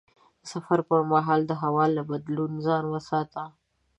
د سفر پر مهال د هوا له بدلون ځان وساته.